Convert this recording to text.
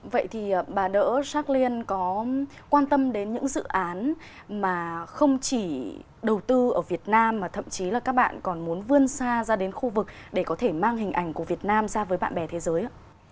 vậy thì bà đỡ shack liên có quan tâm đến những dự án mà không chỉ đầu tư ở việt nam mà thậm chí là các bạn còn muốn vươn xa ra đến khu vực để có thể mang hình ảnh của việt nam ra với bạn bè thế giới ạ